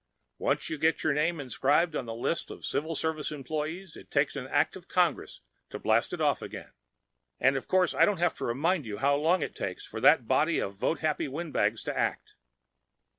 Once you get your name inscribed on the list of Civil Service employees it takes an act of Congress to blast it off again. And of course I don't have to remind you how long it takes that body of vote happy windbags to act.